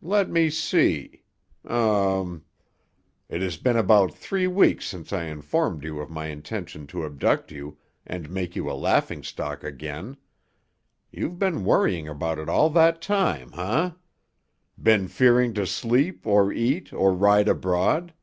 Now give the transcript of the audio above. Let me see! Um! It has been about three weeks since I informed you of my intention to abduct you and make you a laughingstock again. You've been worrying about it all that time, eh? Been fearing to sleep or eat or ride abroad?